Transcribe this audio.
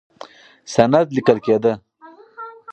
سند لیکل کېده.